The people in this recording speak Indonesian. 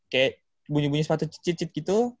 kayak bunyi bunyi sepatu cicit cit gitu